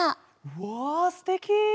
わすてき！